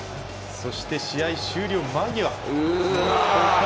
そして、試合終了間際。